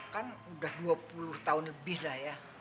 kan udah dua puluh tahun lebih lah ya